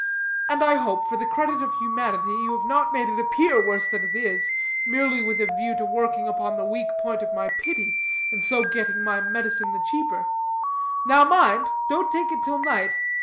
And I hope, for the credit of humanity, you have not made it appear worse than it is, merely with a view to working upon the weak point of my pity, and so getting my medicine the cheaper. Now, mind, don't take it till night.